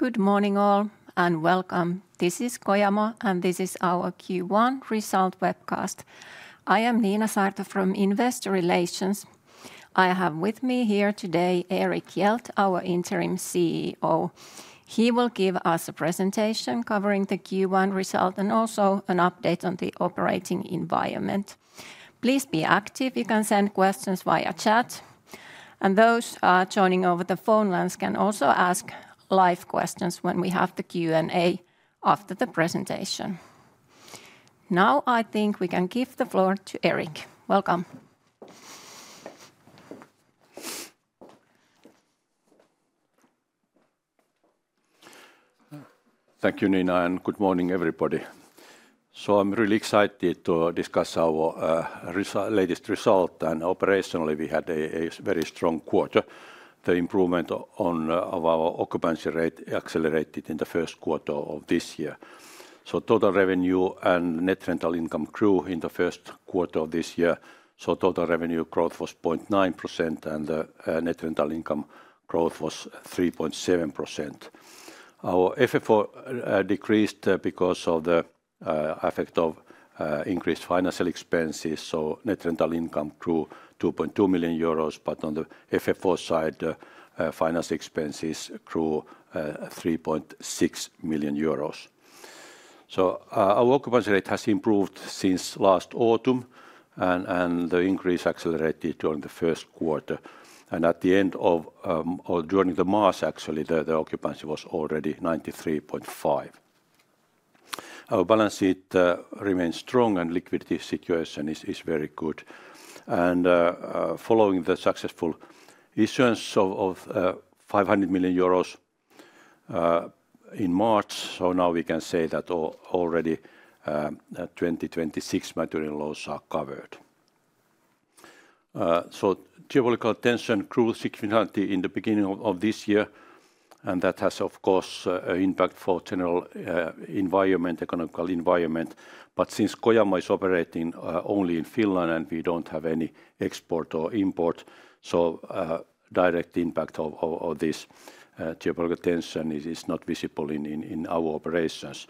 Good morning all, and welcome. This is Kojamo, and this is our Q1 Result Webcast. I am Niina Saarto from Investor Relations. I have with me here today Erik Hjelt, our Interim CEO. He will give us a presentation covering the Q1 result and also an update on the operating environment. Please be active. You can send questions via chat. Those joining over the phone lines can also ask live questions when we have the Q&A after the presentation. Now I think we can give the floor to Erik. Welcome. Thank you, Niina, and good morning, everybody. I'm really excited to discuss our latest result. Operationally, we had a very strong quarter. The improvement of our occupancy rate accelerated in the first quarter of this year. Total revenue and net rental income grew in the first quarter of this year. Total revenue growth was 0.9%, and the net rental income growth was 3.7%. Our FFO decreased because of the effect of increased financial expenses. Net rental income grew 2.2 million euros, but on the FFO side, the financial expenses grew 3.6 million euros. Our occupancy rate has improved since last autumn, and the increase accelerated during the first quarter. At the end of, or during March, actually, the occupancy was already 93.5%. Our balance sheet remains strong, and the liquidity situation is very good. Following the successful issuance of 500 million euros in March, now we can say that already 2026 material loss are covered. Geopolitical tension grew significantly in the beginning of this year, and that has, of course, an impact for general environment, economical environment. Since Kojamo is operating only in Finland and we do not have any export or import, the direct impact of this geopolitical tension is not visible in our operations.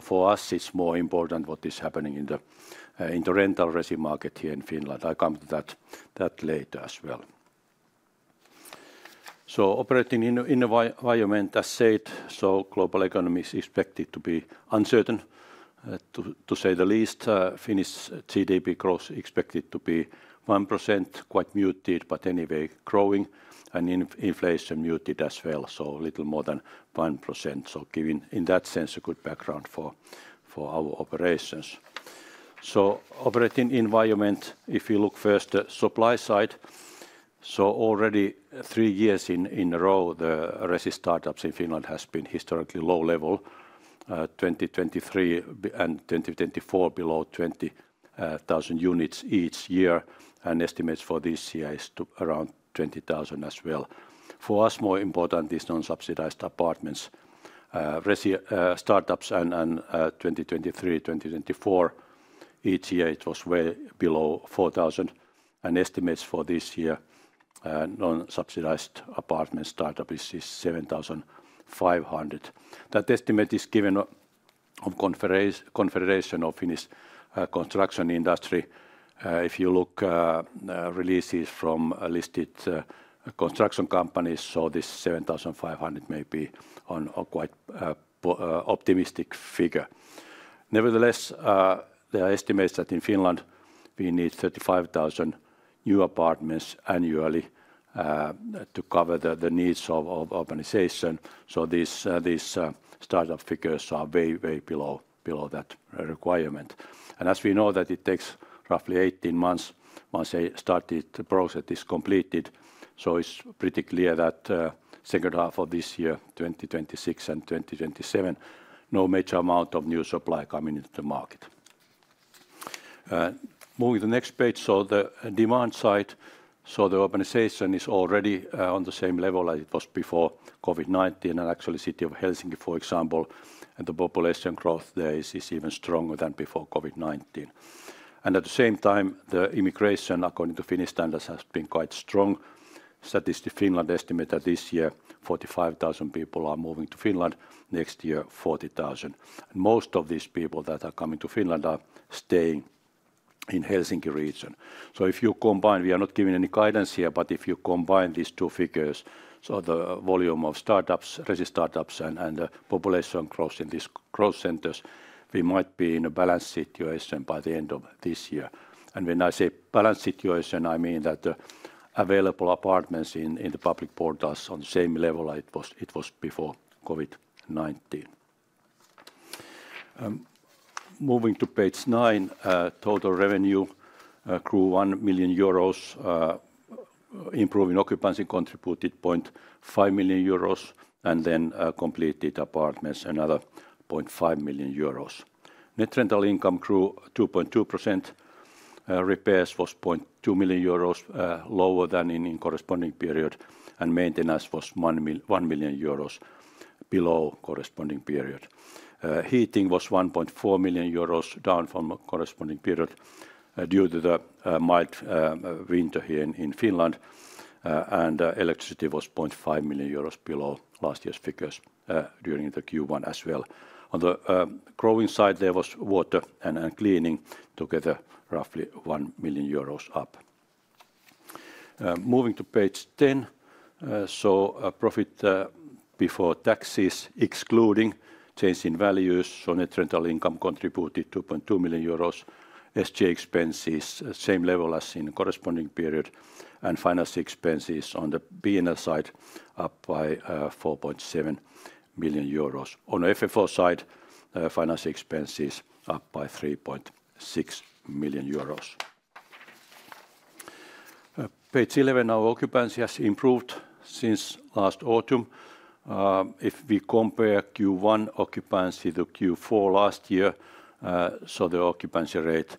For us, it is more important what is happening in the rental resume market here in Finland. I will come to that later as well. Operating environment as said, global economy is expected to be uncertain, to say the least. Finnish GDP growth is expected to be 1%, quite muted, but anyway growing, and inflation muted as well, a little more than 1%. Given, in that sense, a good background for our operations. Operating environment, if you look first at the supply side, already three years in a row, the resident startups in Finland have been at a historically low level, 2023 and 2024 below 20,000 units each year, and estimates for this year is around 20,000 as well. For us, more important is non-subsidized apartments. Startups in 2023, 2024, each year it was well below 4,000, and estimates for this year non-subsidized apartment startup is 7,500. That estimate is given on Confederation of Finnish Construction Industry. If you look at releases from listed construction companies, this 7,500 may be a quite optimistic figure. Nevertheless, there are estimates that in Finland we need 35,000 new apartments annually to cover the needs of the organization. These startup figures are way, way below that requirement. As we know that it takes roughly 18 months once a started project is completed, so it is pretty clear that the second half of this year, 2026 and 2027, no major amount of new supply coming into the market. Moving to the next page, the demand side, the organization is already on the same level as it was before COVID-19, and actually the city of Helsinki, for example, and the population growth there is even stronger than before COVID-19. At the same time, the immigration, according to Finnish standards, has been quite strong. Statistics Finland estimate that this year 45,000 people are moving to Finland, next year 40,000. Most of these people that are coming to Finland are staying in the Helsinki region. If you combine, we are not giving any guidance here, but if you combine these two figures, the volume of startups, resident startups, and the population growth in these growth centers, we might be in a balanced situation by the end of this year. When I say balanced situation, I mean that available apartments in the public portals are on the same level as it was before COVID-19. Moving to page nine, total revenue grew 1 million euros, improving occupancy contributed 0.5 million euros, and then completed apartments another 0.5 million euros. Net rental income grew 2.2%, repairs was 0.2 million euros, lower than in the corresponding period, and maintenance was 1 million euros below corresponding period. Heating was 1.4 million euros down from corresponding period due to the mild winter here in Finland, and electricity was 0.5 million euros below last year's figures during the Q1 as well. On the growing side, there was water and cleaning together roughly 1 million euros up. Moving to page ten, profit before taxes excluding change in values, so net rental income contributed 2.2 million euros, SG expenses same level as in the corresponding period, and finance expenses on the P&L side up by 4.7 million euros. On the FFO side, finance expenses up by 3.6 million euros. Page eleven, our occupancy has improved since last autumn. If we compare Q1 occupancy to Q4 last year, the occupancy rate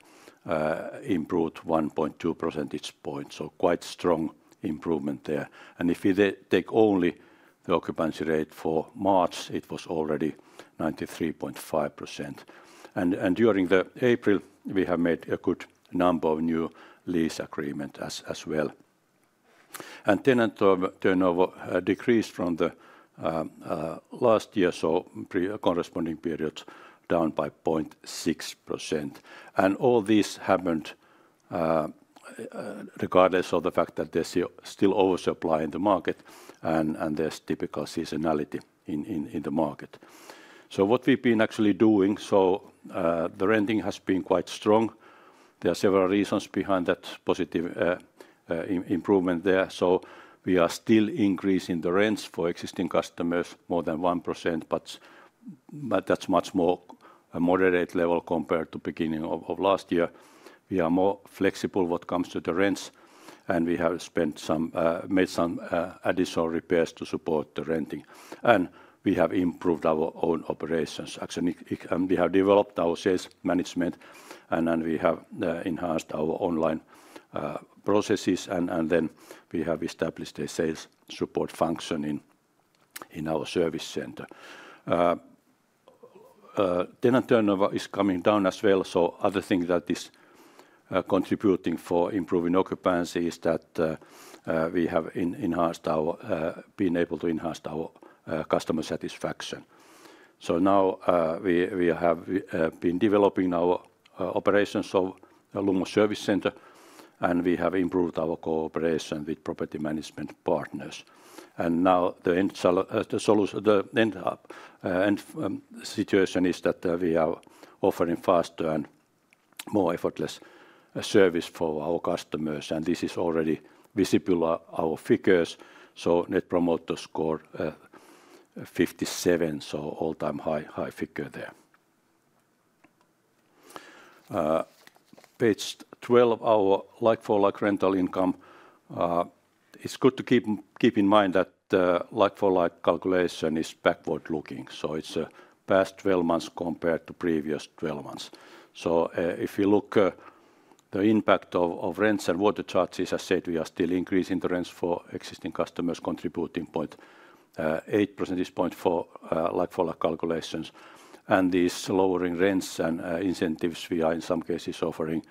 improved 1.2 percentage points, quite strong improvement there. If we take only the occupancy rate for March, it was already 93.5%. During April, we have made a good number of new lease agreements as well. Tenant turnover decreased from last year, so corresponding period is down by 0.6%. All this happened regardless of the fact that there is still oversupply in the market and there is typical seasonality in the market. What we have been actually doing, the renting has been quite strong. There are several reasons behind that positive improvement there. We are still increasing the rents for existing customers more than 1%, but that is a much more moderate level compared to the beginning of last year. We are more flexible when it comes to the rents, and we have made some additional repairs to support the renting. We have improved our own operations. Actually, we have developed our sales management, and we have enhanced our online processes, and then we have established a sales support function in our service center. Tenant turnover is coming down as well, so other things that are contributing for improving occupancy is that we have been able to enhance our customer satisfaction. Now we have been developing our operations of the Lumo service center, and we have improved our cooperation with property management partners. Now the end situation is that we are offering faster and more effortless service for our customers, and this is already visible on our figures. Net Promoter Score 57, all-time high figure there. Page twelve, our like-for-like rental income. It's good to keep in mind that like-for-like calculation is backward looking, so it's past 12 months compared to previous 12 months. If you look, the impact of rents and water charges, as I said, we are still increasing the rents for existing customers, contributing 0.8 percentage point for like-for-like calculations. These lowering rents and incentives, we are in some cases offering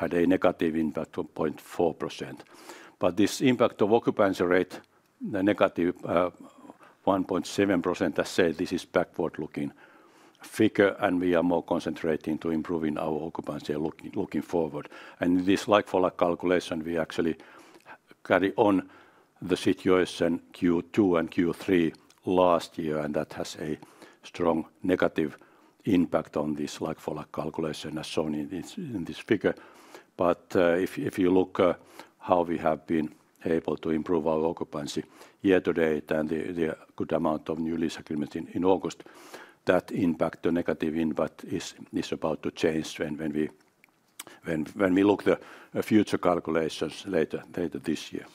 at a negative impact of 0.4%. This impact of occupancy rate, the -1.7%, as I said, this is a backward looking figure, and we are more concentrating on improving our occupancy looking forward. This like-for-like calculation, we actually carry on the situation Q2 and Q3 last year, and that has a strong negative impact on this like-for-like calculation, as shown in this figure. If you look at how we have been able to improve our occupancy year to date, and the good amount of new lease agreements in August, that impact, the negative impact, is about to change when we look at the future calculations later this year.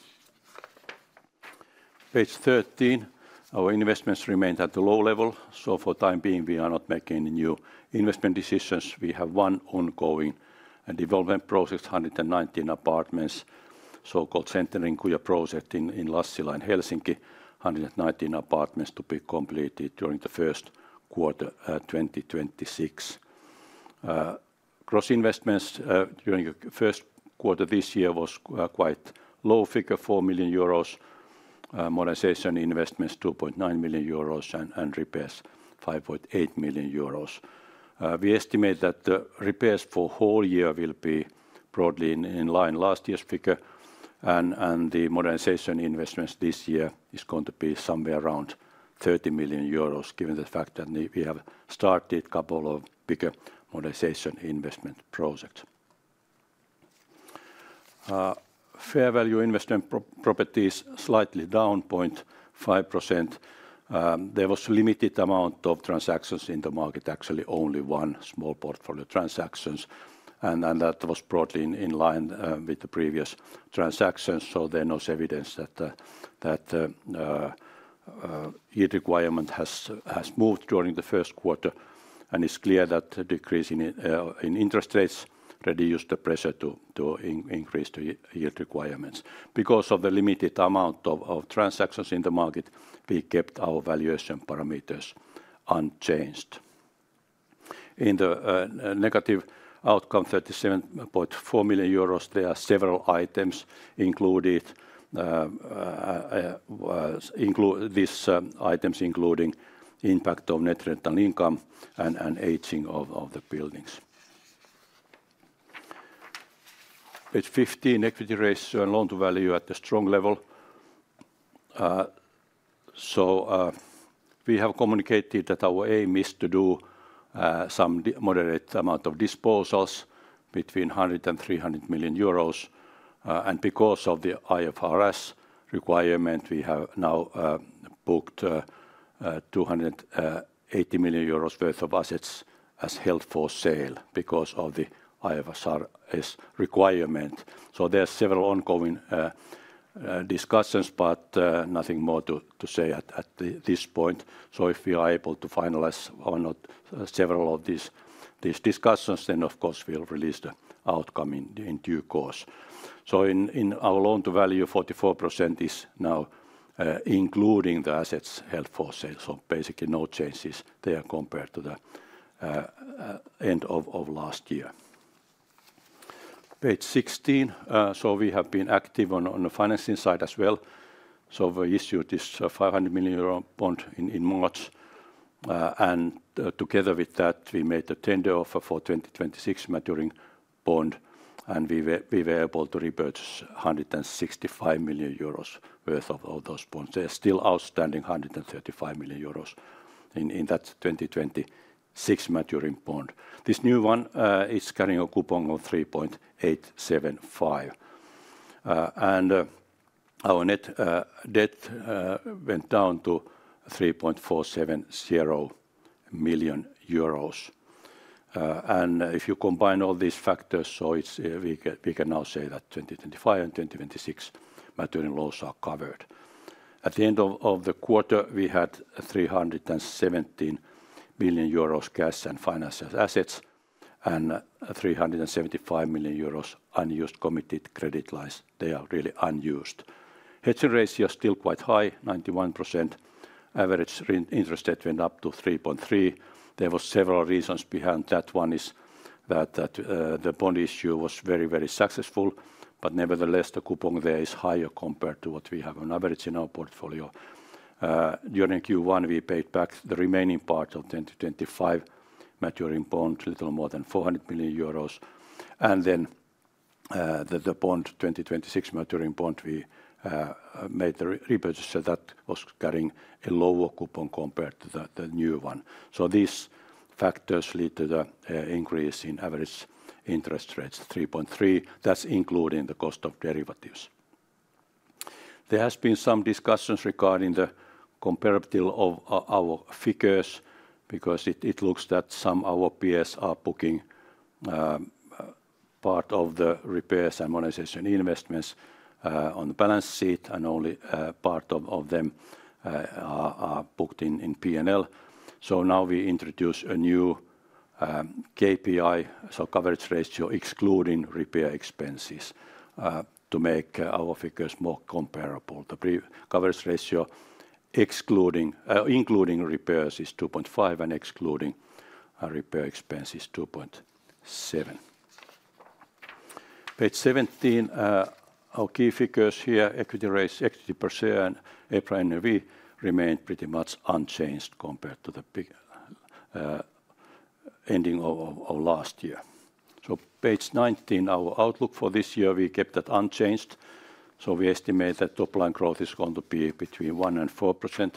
Page thirteen, our investments remain at the low level, so for the time being, we are not making any new investment decisions. We have one ongoing development project, 119 apartments, so-called Sentnerikuja project in Lassila in Helsinki, 119 apartments to be completed during the first quarter 2026. Gross investments during the first quarter this year was quite a low figure, 4 million euros. Modernization investments, 2.9 million euros, and repairs, 5.8 million euros. We estimate that the repairs for the whole year will be broadly in line with last year's figure, and the modernization investments this year are going to be somewhere around 30 million euros, given the fact that we have started a couple of bigger modernization investment projects. Fair value investment properties slightly down 0.5%. There was a limited amount of transactions in the market, actually only one small portfolio transaction, and that was broadly in line with the previous transactions, so there's no evidence that the yield requirement has moved during the first quarter. It is clear that the decrease in interest rates reduced the pressure to increase the yield requirements. Because of the limited amount of transactions in the market, we kept our valuation parameters unchanged. In the negative outcome, 37.4 million euros, there are several items included, these items including the impact of net rental income and aging of the buildings. Page fifteen, equity ratio and loan to value at a strong level. We have communicated that our aim is to do some moderate amount of disposals between 100 million and 300 million euros, and because of the IFRS requirement, we have now booked 280 million euros worth of assets as held for sale because of the IFRS requirement. There are several ongoing discussions, but nothing more to say at this point. If we are able to finalize several of these discussions, then of course we'll release the outcome in due course. In our loan to value, 44% is now including the assets held for sale, so basically no changes there compared to the end of last year. Page sixteen, we have been active on the financing side as well. We issued this 500 million euro bond in March, and together with that, we made the tender offer for the 2026 maturing bond, and we were able to repurchase 165 million euros worth of those bonds. There is still outstanding 135 million euros in that 2026 maturing bond. This new one is carrying a coupon of 3.875%. Our net debt went down to 3,470 million euros. If you combine all these factors, we can now say that 2025 and 2026 maturing loans are covered. At the end of the quarter, we had 317 million euros cash and financial assets and 375 million euros unused committed credit lines. They are really unused. Hedging ratio is still quite high, 91%. Average interest rate went up to 3.3%. There were several reasons behind that. One is that the bond issue was very, very successful, but nevertheless, the coupon there is higher compared to what we have on average in our portfolio. During Q1, we paid back the remaining part of 2025 maturing bond, a little more than 400 million euros. And then the 2026 maturing bond, we made the repurchase that was carrying a lower coupon compared to the new one. These factors lead to the increase in average interest rates, 3.3%. That is including the cost of derivatives. There has been some discussions regarding the comparability of our figures because it looks that some of our peers are booking part of the repairs and modernization investments on the balance sheet, and only part of them are booked in P&L. Now we introduced a new KPI, so coverage ratio excluding repair expenses, to make our figures more comparable. The coverage ratio including repairs is 2.5% and excluding repair expenses is 2.7%. Page seventeen, our key figures here, equity ratio, equity per share, and EPRA NRV remained pretty much unchanged compared to the ending of last year. Page nineteen, our outlook for this year, we kept that unchanged. We estimate that top-line growth is going to be between 1%-4%,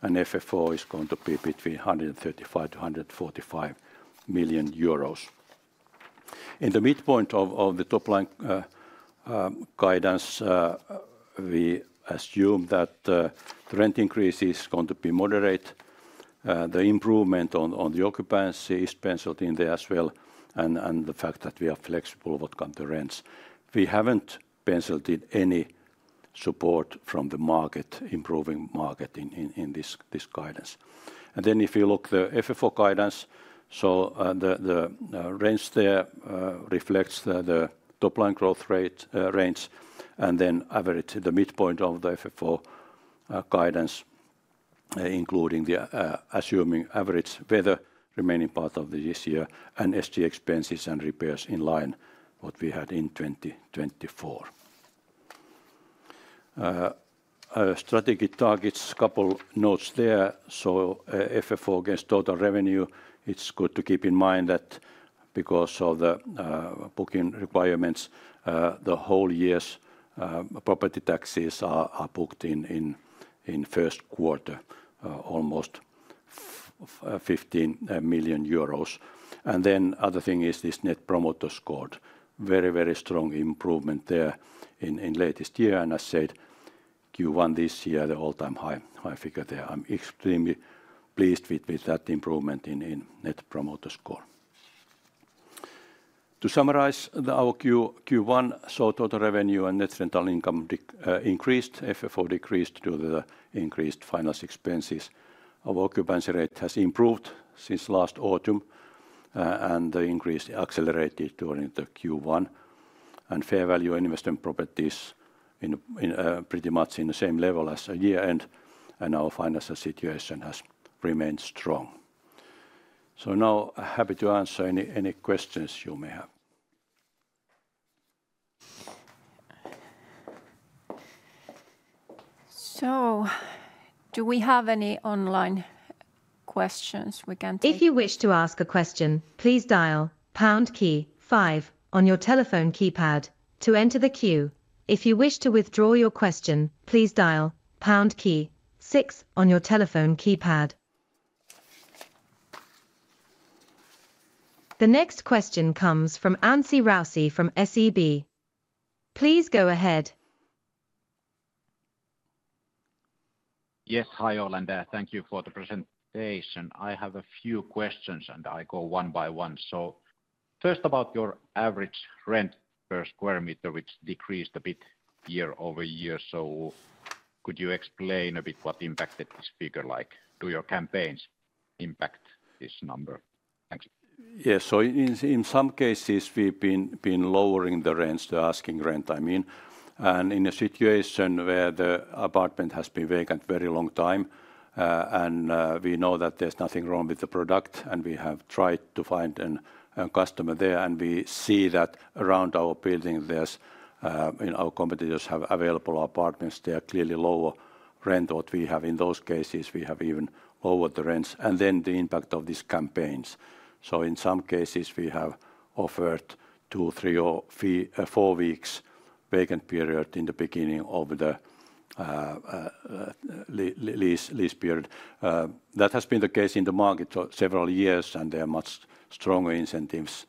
and FFO is going to be between 135 million-145 million euros. In the midpoint of the top-line guidance, we assume that the rent increase is going to be moderate. The improvement on the occupancy is penciled in there as well, and the fact that we are flexible with what come to rents. We have not penciled in any support from the market, improving market in this guidance. If you look at the FFO guidance, the range there reflects the top-line growth rate and then average the midpoint of the FFO guidance, including assuming average weather, remaining part of this year, and SG expenses and repairs in line with what we had in 2024. Strategy targets, a couple of notes there. FFO against total revenue, it's good to keep in mind that because of the booking requirements, the whole year's property taxes are booked in first quarter, almost 15 million euros. The other thing is this Net Promoter Score. Very, very strong improvement there in the latest year, and as I said, Q1 this year, the all-time high figure there. I'm extremely pleased with that improvement in Net Promoter Score. To summarize our Q1, total revenue and net rental income increased, FFO decreased due to the increased finance expenses. Our occupancy rate has improved since last autumn, and the increase accelerated during Q1. Fair value and investment properties are pretty much on the same level as year-end, and our financial situation has remained strong. Now I'm happy to answer any questions you may have. Do we have any online questions we can take? If you wish to ask a question, please dial pound key five on your telephone keypad to enter the queue. If you wish to withdraw your question, please dial pound key six on your telephone keypad. The next question comes from Anssi Raussi from SEB. Please go ahead. Yes, hi all, and thank you for the presentation. I have a few questions, and I'll go one by one. First, about your average rent per square meter, which decreased a bit year-over-year. Could you explain a bit what impacted this figure? Do your campaigns impact this number? Thanks. Yes, in some cases, we've been lowering the rent, the asking rent, I mean. In a situation where the apartment has been vacant for a very long time, and we know that there's nothing wrong with the product, and we have tried to find a customer there, and we see that around our building, our competitors have available apartments, they are clearly lower rent than what we have. In those cases, we have even lowered the rents. The impact of these campaigns, in some cases, we have offered two, three, or four weeks' vacant period in the beginning of the lease period. That has been the case in the market for several years, and there are much stronger incentives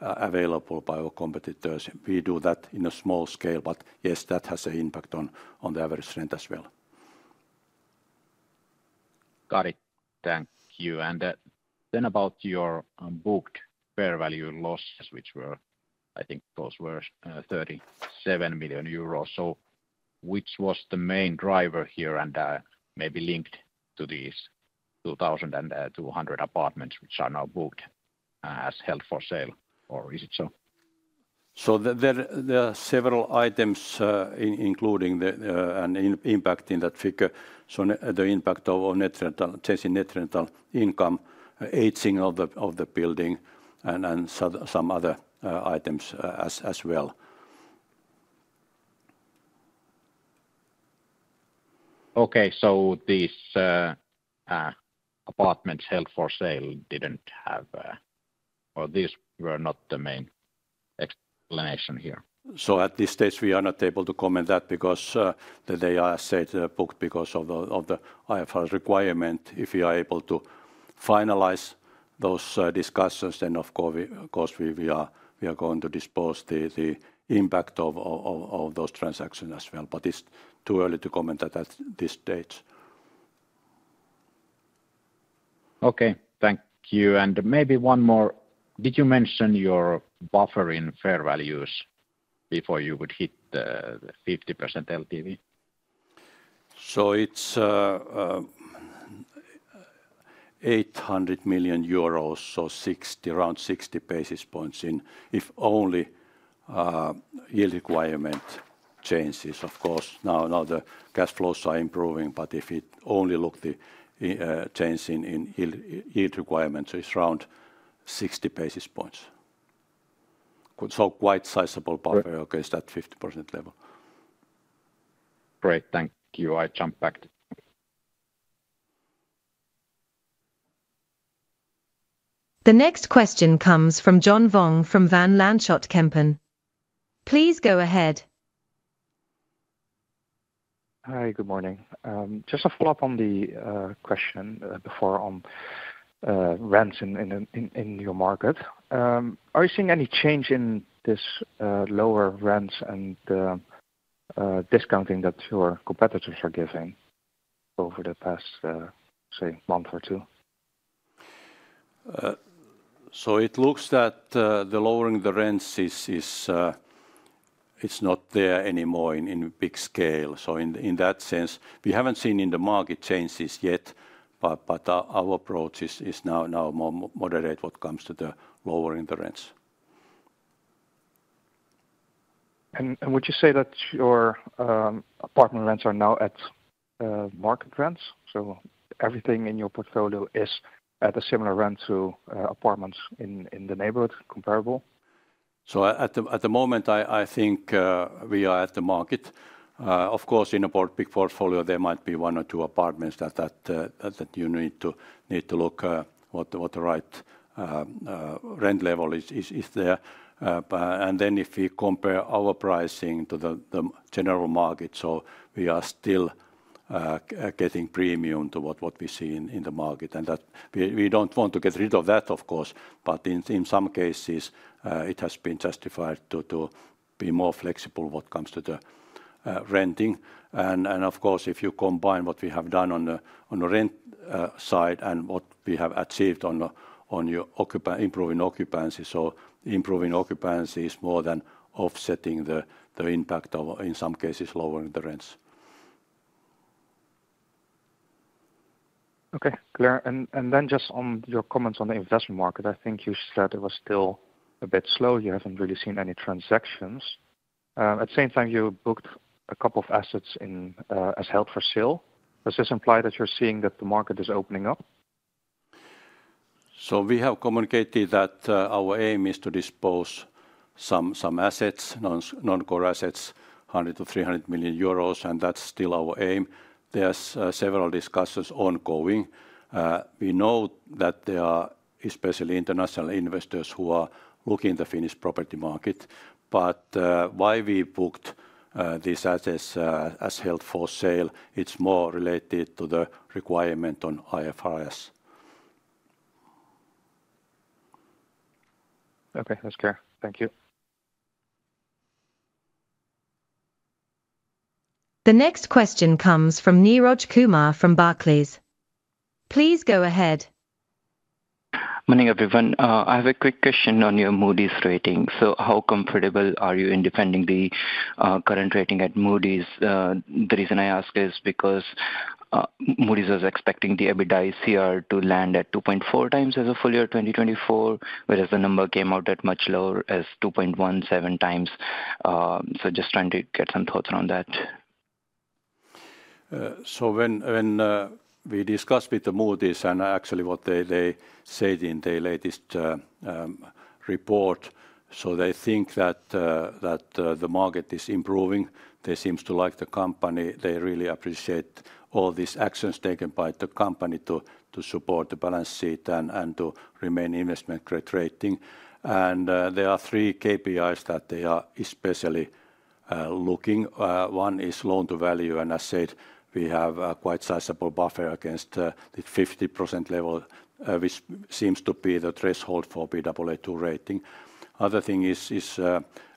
available by our competitors. We do that in a small scale, but yes, that has an impact on the average rent as well. Got it. Thank you. And then about your booked fair value losses, which were, I think those were 37 million euros. Which was the main driver here and maybe linked to these 2,200 apartments which are now booked as held for sale, or is it so? There are several items including the impact in that figure. The impact of changing net rental income, aging of the building, and some other items as well. Okay, these apartments held for sale did not have, or these were not the main explanation here? At this stage, we are not able to comment on that because they are booked because of the IFRS requirement. If we are able to finalize those discussions, then of course we are going to dispose of the impact of those transactions as well. It is too early to comment at this stage. Okay, thank you. Maybe one more. Did you mention your buffering fair values before you would hit the 50% LTV? It is 800 million euros, so around 60 basis points if only yield requirement changes. Of course, now the cash flows are improving, but if you only look at the change in yield requirement, it is around 60 basis points. Quite sizable buffer against that 50% level. Great, thank you. I will jump back to. The next question comes from John Vuong from Van Lanschot Kempen. Please go ahead. Hi, good morning. Just a follow-up on the question before on rents in your market. Are you seeing any change in this lower rents and discounting that your competitors are giving over the past, say, month or two? It looks that the lowering of the rents is not there anymore in big scale. In that sense, we haven't seen in the market changes yet, but our approach is now more moderate when it comes to the lowering of the rents. Would you say that your apartment rents are now at market rents? Everything in your portfolio is at a similar rent to apartments in the neighborhood, comparable? At the moment, I think we are at the market. Of course, in a big portfolio, there might be one or two apartments that you need to look at what the right rent level is there. If we compare our pricing to the general market, we are still getting a premium to what we see in the market. We do not want to get rid of that, of course, but in some cases, it has been justified to be more flexible when it comes to the renting. If you combine what we have done on the rent side and what we have achieved on improving occupancy, improving occupancy is more than offsetting the impact of, in some cases, lowering the rents. Okay, clear. Just on your comments on the investment market, I think you said it was still a bit slow. You have not really seen any transactions. At the same time, you booked a couple of assets as held for sale. Does this imply that you are seeing that the market is opening up? We have communicated that our aim is to dispose of some assets, non-core assets, 100 million-300 million euros, and that's still our aim. There are several discussions ongoing. We know that there are especially international investors who are looking at the Finnish property market. Why we booked these assets as held for sale, it's more related to the requirement on IFRS. Okay, that's clear. Thank you. The next question comes from Neeraj Kumar from Barclays. Please go ahead. Morning, everyone. I have a quick question on your Moody's rating. How comfortable are you in defending the current rating at Moody's? The reason I ask is because Moody's was expecting the EBITDA ICR to land at 2.4 times as of earlier 2024, whereas the number came out at much lower as 2.17 times. Just trying to get some thoughts around that. When we discussed with Moody's and actually what they said in their latest report, they think that the market is improving. They seem to like the company. They really appreciate all these actions taken by the company to support the balance sheet and to remain investment-grade rating. There are three KPIs that they are especially looking. One is loan-to-value, and as I said, we have a quite sizable buffer against the 50% level, which seems to be the threshold for Baa2 rating. The other thing is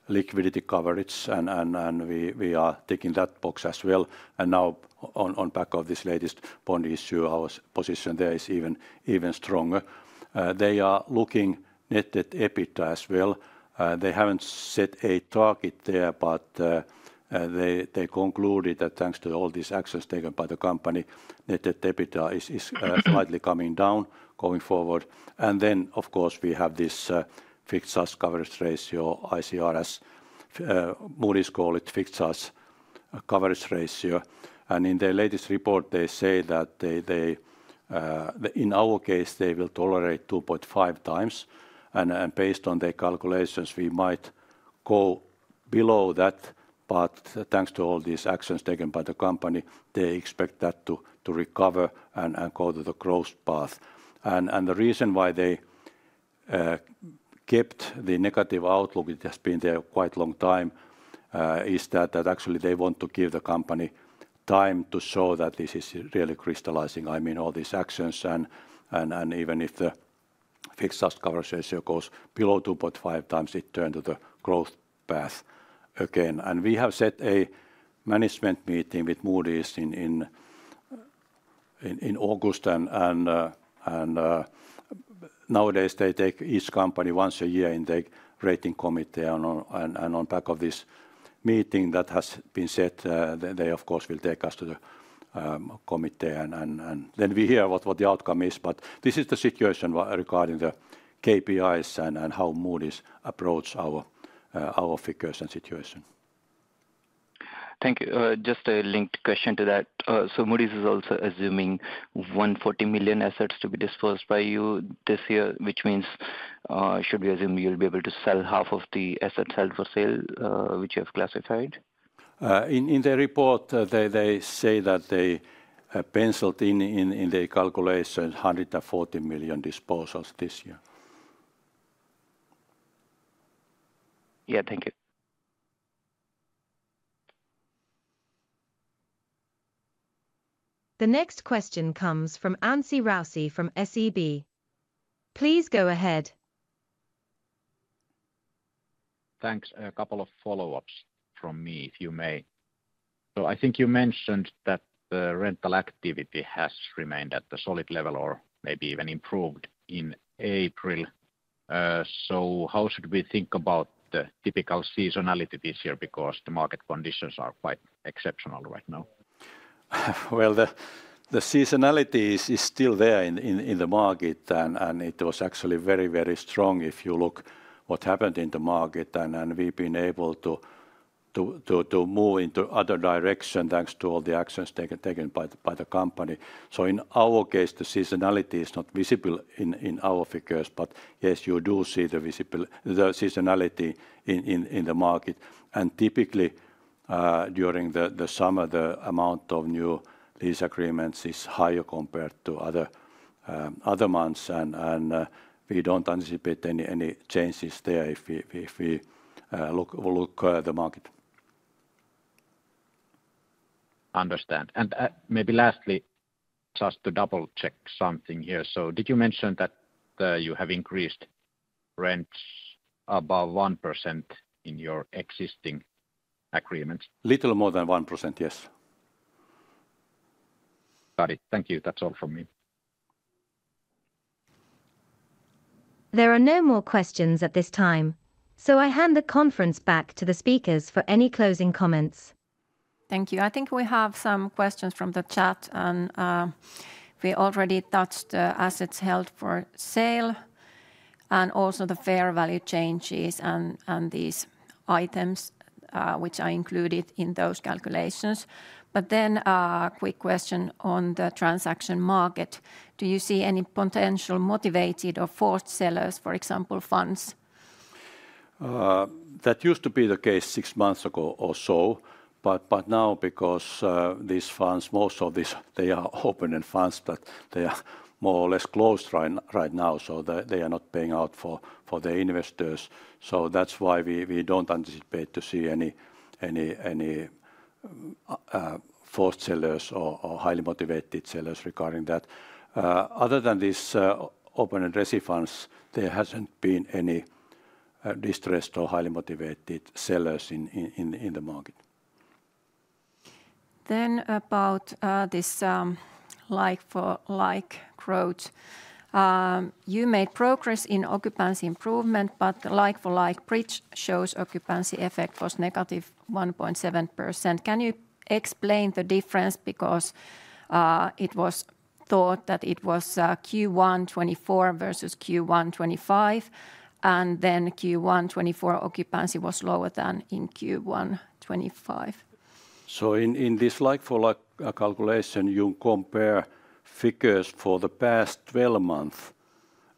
liquidity coverage, and we are ticking that box as well. Now, on the back of this latest bond issue, our position there is even stronger. They are looking net at EBITDA as well. They have not set a target there, but they concluded that thanks to all these actions taken by the company, net at EBITDA is slightly coming down going forward. Of course, we have this fixed cost coverage ratio, ICR, as Moody's called it, fixed cost coverage ratio. In their latest report, they say that in our case, they will tolerate 2.5 times. Based on their calculations, we might go below that, but thanks to all these actions taken by the company, they expect that to recover and go to the growth path. The reason why they kept the negative outlook, it has been there quite a long time, is that actually they want to give the company time to show that this is really crystallizing. I mean, all these actions, and even if the fixed cost coverage ratio goes below 2.5 times, it turns to the growth path again. We have set a management meeting with Moody's in August, and nowadays they take each company once a year in their rating committee. On the back of this meeting that has been set, they, of course, will take us to the committee, and then we hear what the outcome is. This is the situation regarding the KPIs and how Moody's approaches our figures and situation. Thank you. Just a linked question to that. Moody's is also assuming 140 million assets to be disbursed by you this year, which means should we assume you'll be able to sell half of the assets held for sale which you have classified? In their report, they say that they penciled in their calculations 140 million disposals this year. Yeah, thank you. The next question comes from Anssi Raussi from SEB. Please go ahead. Thanks. A couple of follow-ups from me, if you may. I think you mentioned that the rental activity has remained at a solid level or maybe even improved in April. How should we think about the typical seasonality this year because the market conditions are quite exceptional right now? The seasonality is still there in the market, and it was actually very, very strong if you look at what happened in the market. We've been able to move into other directions thanks to all the actions taken by the company. In our case, the seasonality is not visible in our figures, but yes, you do see the seasonality in the market. Typically, during the summer, the amount of new lease agreements is higher compared to other months, and we do not anticipate any changes there if we look at the market. Understand. Maybe lastly, just to double-check something here. Did you mention that you have increased rents above 1% in your existing agreements? Little more than 1%, yes. Got it. Thank you. That is all from me. There are no more questions at this time, so I hand the conference back to the speakers for any closing comments. Thank you. I think we have some questions from the chat, and we already touched the assets held for sale and also the fair value changes and these items which are included in those calculations. A quick question on the transaction market. Do you see any potential motivated or forced sellers, for example, funds? That used to be the case six months ago or so, but now, because these funds, most of these, they are open and funds that they are more or less closed right now, so they are not paying out for the investors. That is why we do not anticipate to see any forced sellers or highly motivated sellers regarding that. Other than these open and rescue funds, there has not been any distressed or highly motivated sellers in the market. About this like-for-like growth. You made progress in occupancy improvement, but the like-for-like bridge shows occupancy effect was -1.7%. Can you explain the difference? Because it was thought that it was Q1 2024 versus Q1 2025, and then Q1 2024 occupancy was lower than in Q1 2025. In this like-for-like calculation, you compare figures for the past 12 months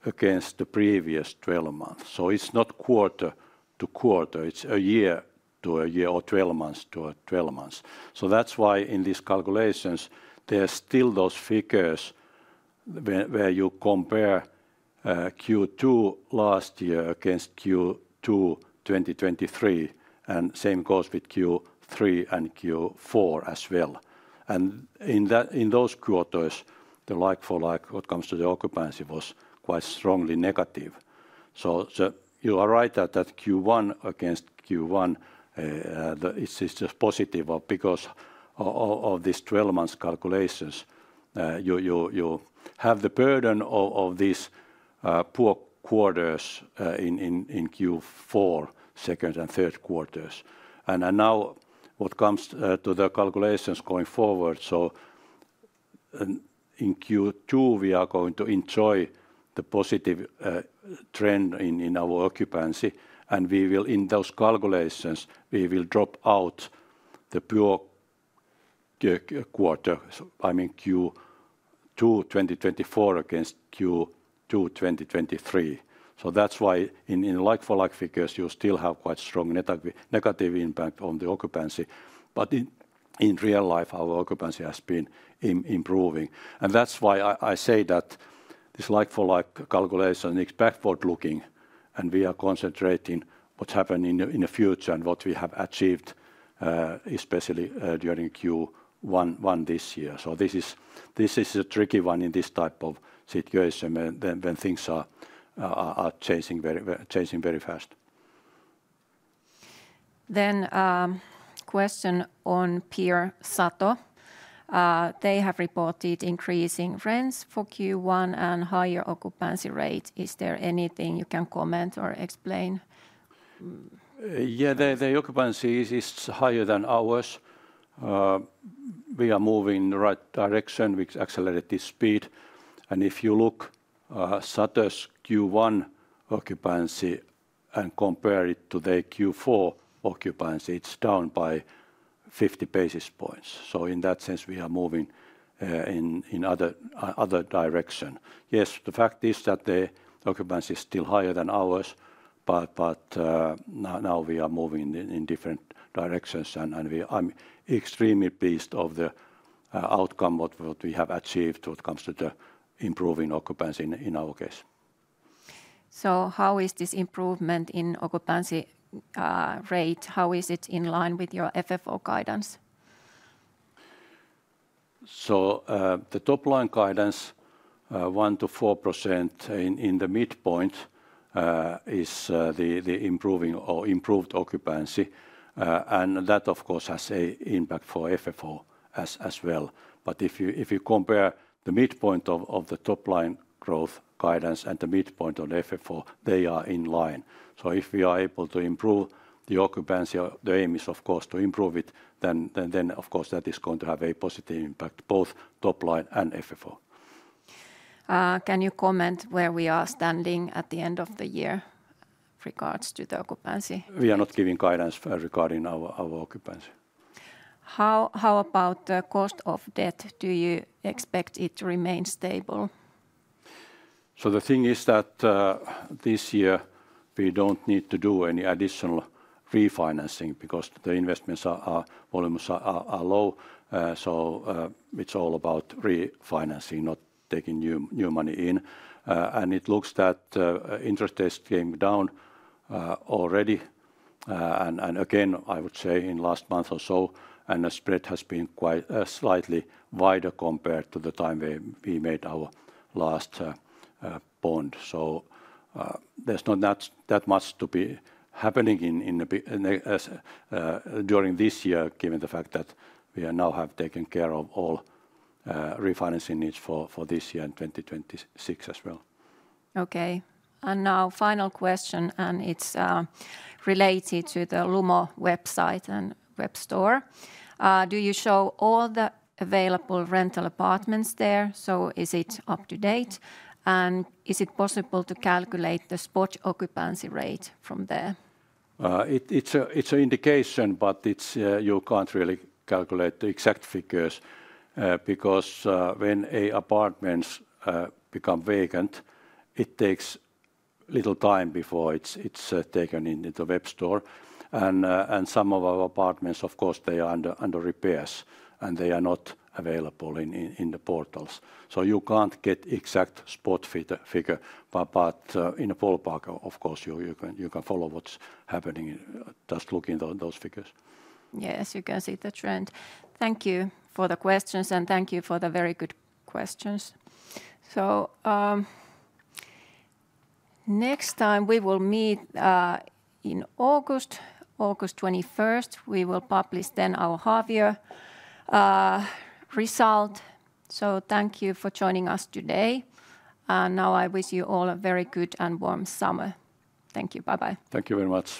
against the previous 12 months. It's not quarter to quarter, it's a year to a year or 12 months to 12 months. That's why in these calculations, there's still those figures where you compare Q2 last year against Q2 2023, and same goes with Q3 and Q4 as well. In those quarters, the like-for-like when it comes to the occupancy was quite strongly negative. You are right that Q1 against Q1, it's just positive because of these 12-month calculations. You have the burden of these poor quarters in Q4, second and third quarters. Now what comes to the calculations going forward, in Q2, we are going to enjoy the positive trend in our occupancy, and in those calculations, we will drop out the poor quarter, I mean Q2 2024 against Q2 2023. That's why in like-for-like figures, you still have quite strong negative impact on the occupancy. In real life, our occupancy has been improving. That is why I say that this like-for-like calculation is backward-looking, and we are concentrating on what is happening in the future and what we have achieved, especially during Q1 this year. This is a tricky one in this type of situation when things are changing very fast. A question on peer SATO. They have reported increasing rents for Q1 and higher occupancy rate. Is there anything you can comment or explain? Yeah, the occupancy is higher than ours. We are moving in the right direction, which accelerated this speed. If you look at SATO's Q1 occupancy and compare it to their Q4 occupancy, it is down by 50 basis points. In that sense, we are moving in another direction. Yes, the fact is that the occupancy is still higher than ours, but now we are moving in different directions, and I'm extremely pleased with the outcome of what we have achieved when it comes to the improving occupancy in our case. How is this improvement in occupancy rate? How is it in line with your FFO guidance? The top-line guidance, 1%-4% in the midpoint, is the improved occupancy. That, of course, has an impact for FFO as well. If you compare the midpoint of the top-line growth guidance and the midpoint of the FFO, they are in line. If we are able to improve the occupancy, the aim is, of course, to improve it, then of course that is going to have a positive impact on both top-line and FFO. Can you comment on where we are standing at the end of the year in regards to the occupancy? We are not giving guidance regarding our occupancy. How about the cost of debt? Do you expect it to remain stable? The thing is that this year, we do not need to do any additional refinancing because the investment volumes are low. It is all about refinancing, not taking new money in. It looks that interest rates came down already. I would say in the last month or so, the spread has been quite slightly wider compared to the time we made our last bond. There is not that much to be happening during this year, given the fact that we now have taken care of all refinancing needs for this year and 2 026 as well. Okay. Now, final question, and it's related to the Lumo website and web store. Do you show all the available rental apartments there? Is it up to date? Is it possible to calculate the spot occupancy rate from there? It's an indication, but you can't really calculate the exact figures because when apartments become vacant, it takes a little time before it's taken into the web store. Some of our apartments, of course, are under repairs, and they are not available in the portals. You can't get the exact spot figure. In the fallback, of course, you can follow what's happening just looking at those figures. Yes, you can see the trend. Thank you for the questions, and thank you for the very good questions. Next time we will meet in August, August 21. We will publish then our half-year result. Thank you for joining us today. I wish you all a very good and warm summer. Thank you. Bye-bye. Thank you very much.